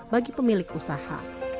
bagi pemilik usaha